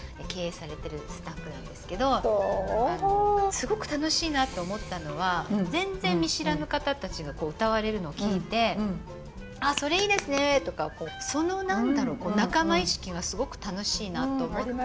すごく楽しいなって思ったのは全然見知らぬ方たちが歌われるのを聴いて「あっそれいいですね」とかその何だろう仲間意識がすごく楽しいなって思って。